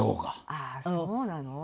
ああそうなの？